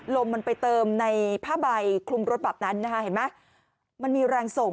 ลมมันไปเติมในผ้าใบคลุมรถแบบนั้นมันมีแรงส่ง